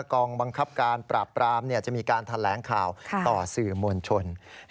กองบังคับการปราบปรามจะมีการแถลงข่าวต่อสื่อมวลชน